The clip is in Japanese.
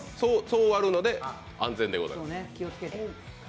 そう割るので、安全でございます。